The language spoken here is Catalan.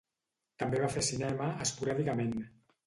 També va fer cinema, esporàdicament.